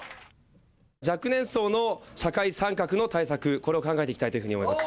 若年層の社会参画の対策、これを考えていきたいというふうに思います。